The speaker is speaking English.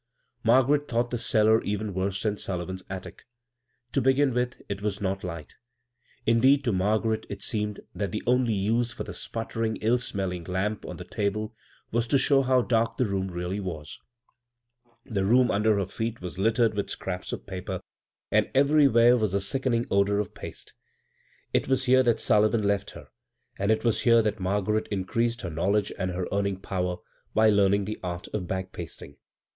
Margaret thought the cellar even worse than Sullivan's attic. To begin with, it wa« not light; indeed, to Margaret it seemed that the only use for the sputtering, ill smell ing lamp on the table was to show how darlc the room realty was. The floor under her feet was littered with scraps of paper, and everywhere was the uckening odor of paste. It was here that Sullivan left her, and it was here that Margaret increased her knowledge and her earning power by learning the art of bag pasting.